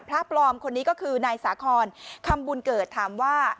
พระปลอมคนนี้ก็คือนายสาคอนคำบุญเกิดถามว่า